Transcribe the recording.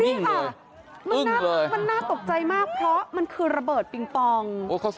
นี่ค่ะมันน่าตกใจมากเพราะมันคือระเบิดปิงปอง